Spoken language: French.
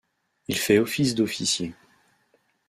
Il fait office d'officier.